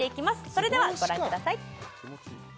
それではご覧ください